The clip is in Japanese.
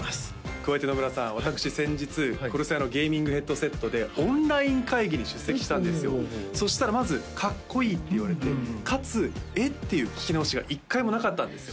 加えて野村さん私先日ＣＯＲＳＡＩＲのゲーミングヘッドセットでオンライン会議に出席したんですよそしたらまず「かっこいい」って言われてかつ「えっ？」っていう聞き直しが一回もなかったんですよ